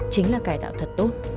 chính là cải tạo thật tốt